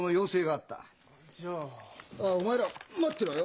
あお前ら待ってろよ。